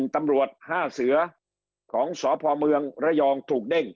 ตำรวจ๕เสือของสพเมืองระยองถูกเด้ง